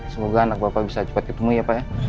semoga anak bapak bisa cepat ketemu ya pak ya